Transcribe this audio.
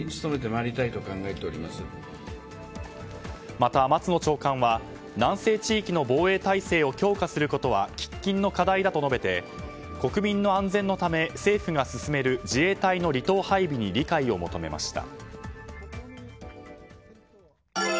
また松野長官は南西地域の防衛体制を強化することは喫緊の課題だと述べて国民の安全のため、政府が進める自衛隊の離島配備に理解を求めました。